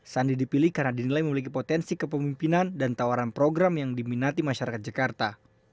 sandi dipilih karena dinilai memiliki potensi kepemimpinan dan tawaran program yang diminati masyarakat jakarta